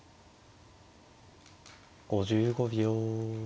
５５秒。